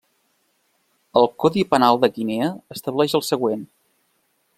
El Codi Penal de Guinea estableix el següent.